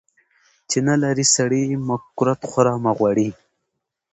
چی نلرې سړي ، مه کورت خوره مه غوړي .